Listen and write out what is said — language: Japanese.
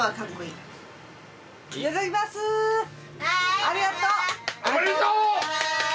ありがとう！